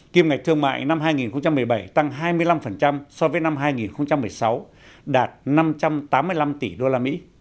kiêm ngạch thương mại năm hai nghìn một mươi bảy tăng hai mươi năm so với năm hai nghìn một mươi sáu đạt năm trăm tám mươi năm tỷ usd